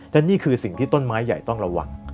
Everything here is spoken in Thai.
และนี่คือสิ่งที่ต้นไม้ใหญ่ต้องระวัง